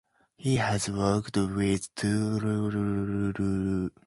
He has worked with two of Iceland's most acclaimed novelists and script-writers.